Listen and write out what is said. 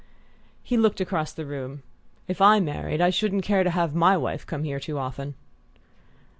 He looked across the room. "If I married I shouldn't care to have my wife come here too often."